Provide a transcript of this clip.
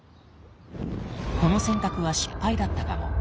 この選択は失敗だったかも。